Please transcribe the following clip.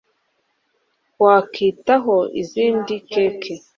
wakwitaho izindi cake